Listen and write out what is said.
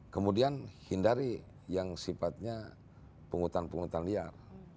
kemudian hindari yang sifatnya penghutan penghutan liar